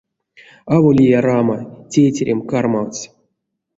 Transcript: Аволия рама, тейтерем кармавтсь.